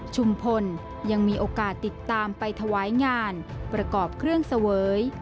พลยังมีโอกาสติดตามไปถวายงานประกอบเครื่องเสวย